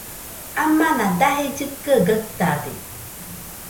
Amana daje llɨkɨaɨ gaɨtade